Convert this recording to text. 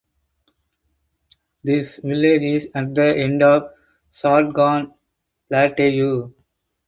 This village is at the end of Satgaon Plateau.